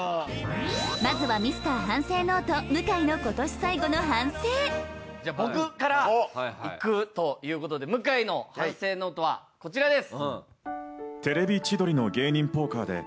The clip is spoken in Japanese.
まずはミスター反省ノート向井の今年最後の反省じゃ僕からいくということで向井の反省ノートはこちらです。